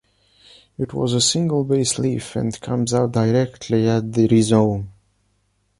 It was a single base leaf and comes out directly at the rhizome.